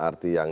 lrt yang ke dua